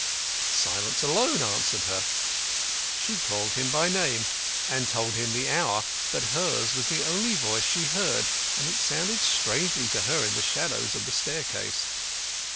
Silence alone answered her. She called him by name and told him the hour, but hers was the only voice she heard, and it sounded strangely to her in the shadows of the staircase.